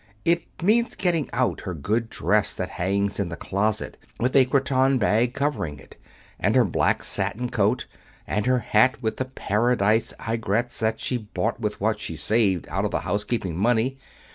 It means getting out her good dress that hangs in the closet with a cretonne bag covering it, and her black satin coat, and her hat with the paradise aigrettes that she bought with what she saved out of the housekeeping money.